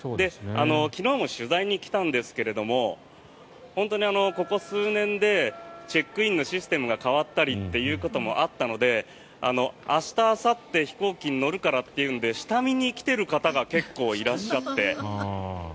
昨日も取材に来たんですが本当にここ数年でチェックインのシステムが変わったりということもあったので明日あさって飛行機に乗るからというので下見に来ている方が結構いらっしゃって。